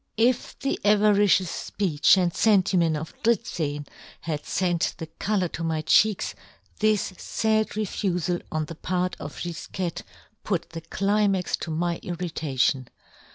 " If the avaricious fpeech and fen " timent of Heilmann had fent the " colour to my cheeks, this fad re " fufal on the part of Gifquette put " the climax to my irritation.